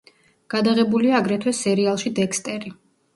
გადაღებულია აგრეთვე სერიალში „დექსტერი“.